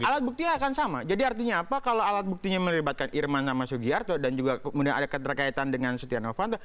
alat buktinya akan sama jadi artinya apa kalau alat buktinya melibatkan irman sama sugiarto dan juga kemudian ada keterkaitan dengan setia novanto